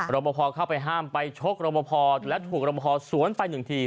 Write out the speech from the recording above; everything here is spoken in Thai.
บพอเข้าไปห้ามไปชกรบพอและถูกรบพอสวนไปหนึ่งที